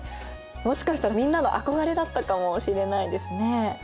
もしかしたらみんなの憧れだったかもしれないですね。